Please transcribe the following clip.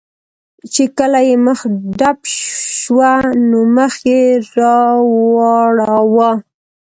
چې کله یې مخه ډب شوه، نو مخ یې را واړاوه.